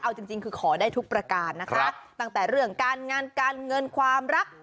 เอาจริงจริงคือขอได้ทุกประการนะคะตั้งแต่เรื่องการงานการเงินความรัก